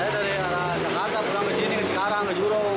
saya dari jakarta pulang ke sini ke cikarang ke jurong